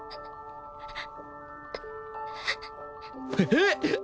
えっ！？